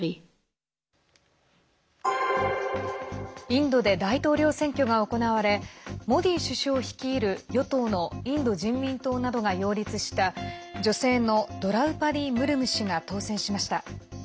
インドで大統領選挙が行われモディ首相率いる与党のインド人民党などが擁立した女性のドラウパディ・ムルム氏が当選しました。